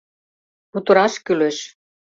Кутыраш кӱлеш».